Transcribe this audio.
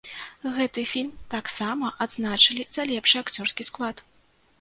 Гэты фільм таксама адзначылі за лепшы акцёрскі склад.